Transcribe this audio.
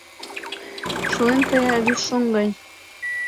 Шулен кая вӱд шоҥ гай.